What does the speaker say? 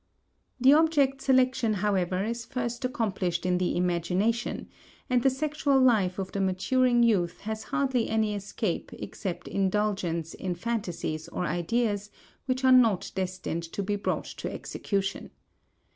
The object selection, however, is first accomplished in the imagination, and the sexual life of the maturing youth has hardly any escape except indulgence in phantasies or ideas which are not destined to be brought to execution.